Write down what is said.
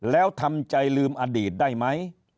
แล้วทำใจลืมอดีตได้ไหม